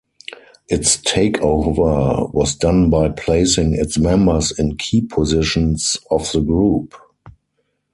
Its takeover was done by placing its members in key positions of the group.